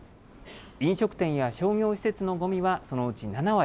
飲食店や商業施設のごみはそのうち７割。